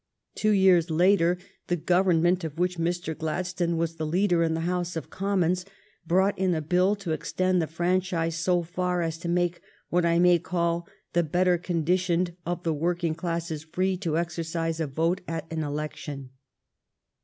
Two years later the Government of which Mr. Gladstone was the leader in the House of Com mons brought in a bill to extend the franchise so far as to make what I may call the better condi tioned of the working classes free to exercise a vote at an election.